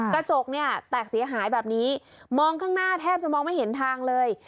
กระจกเนี่ยแตกเสียหายแบบนี้มองข้างหน้าแทบจะมองไม่เห็นทางเลย